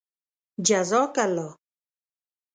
جزاك اللهُ